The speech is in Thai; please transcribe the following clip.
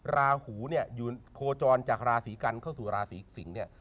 ราหูเนี่ยอยู่โคจรจากราศีกันเข้าสู่ราศีสิงศ์เนี่ย